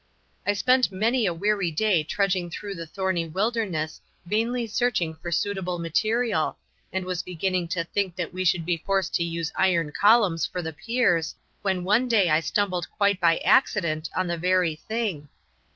I spent many a weary day trudging through the thorny wilderness vainly searching for suitable material, and was beginning to think that we should be forced to use iron columns for the piers, when one day I stumbled quite by accident on the very thing.